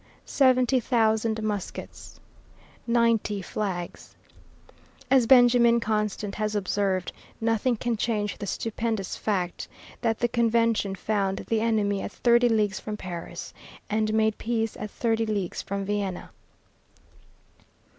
Seventy thousand muskets. Ninety flags. As Benjamin Constant has observed, nothing can change the stupendous fact "that the Convention found the enemy at thirty leagues from Paris, ... and made peace at thirty leagues from Vienna."